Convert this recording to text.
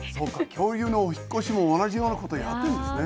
恐竜のお引っ越しも同じようなことやってんですね。